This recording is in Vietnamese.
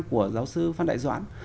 của giáo sư phan đại doãn